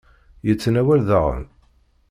Yettnawal daɣen?